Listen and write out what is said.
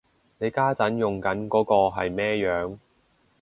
你家陣用緊嗰個係咩樣